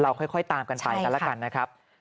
เราค่อยตามกันไปแล้วกันนะครับ